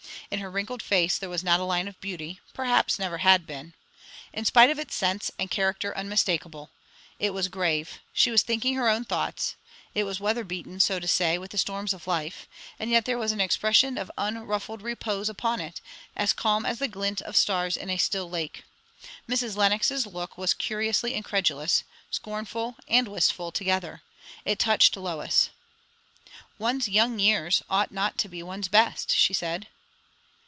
In her wrinkled face there was not a line of beauty, perhaps never had been; in spite of its sense and character unmistakeable; it was grave, she was thinking her own thoughts; it was weather beaten, so to say, with the storms of life; and yet there was an expression of unruffled repose upon it, as calm as the glint of stars in a still lake. Mrs. Lenox's look was curiously incredulous, scornful, and wistful, together; it touched Lois. "One's young years ought not to be one's best," she said.